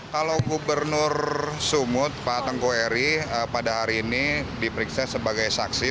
kalau gubernur sumut pak tengku eri pada hari ini diperiksa sebagai saksi